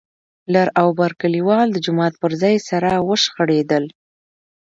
لر او بر کليوال د جومات پر ځای سره وشخړېدل.